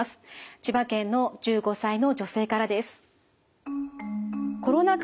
千葉県の１５歳の女性からです。